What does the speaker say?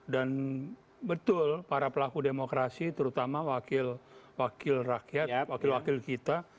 dan betul para pelaku demokrasi terutama wakil wakil rakyat wakil wakil kita